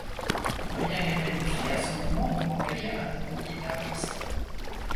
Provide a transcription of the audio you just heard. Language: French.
Rien n'est planifié à ce moment pour engager un nouveau guitariste.